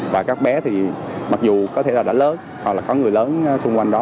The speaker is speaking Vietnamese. và các bé thì mặc dù có thể là đã lớn hoặc là có người lớn xung quanh đó